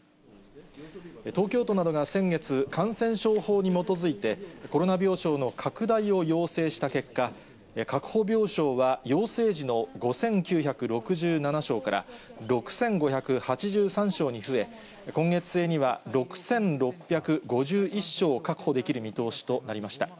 東京都などが先月、感染症法に基づいて、コロナ病床の拡大を要請した結果、確保病床は要請時の５９６７床から６５８３床に増え、今月末には６６５１床確保できる見通しとなりました。